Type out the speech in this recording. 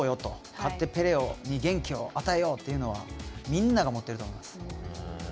勝ってペレに元気を与えようというのはみんなが思っていると思います。